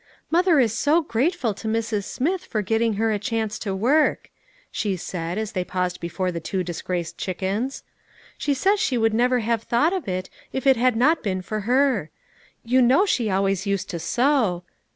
"Mother is so grateful to Mrs. Smith for getting her a chance to work," she said, as they paused before the two disgraced chickens; "she says she would never have A SATISFACTORY EVENING. 333 thought of it if it had not been for her ; you know she always used to sew.